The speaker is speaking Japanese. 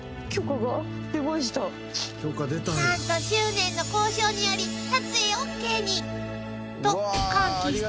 ［何と執念の交渉により撮影ＯＫに］